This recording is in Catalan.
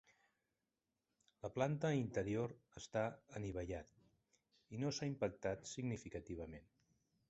La planta interior està anivellat i no s'ha impactat significativament.